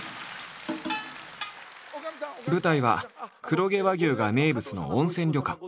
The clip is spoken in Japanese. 舞台は黒毛和牛が名物の温泉旅館。